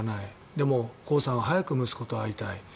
でも、コウさんは早く息子と会いたい。